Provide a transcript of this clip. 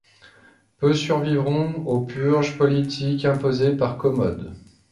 Peu survivront aux purges politiques imposées par Commode.